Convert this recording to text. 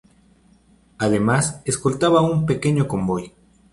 Además, escoltaba a un pequeño convoy.